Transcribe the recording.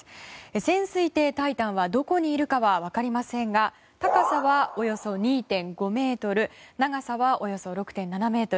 潜水艇「タイタン」はどこにいるかは分かりませんが高さは、およそ２．５ｍ長さは、およそ６．７ｍ。